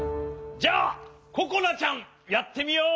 じゃあここなちゃんやってみよう！